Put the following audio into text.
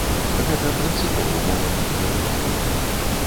Гэта прынцыповы момант для ўлады.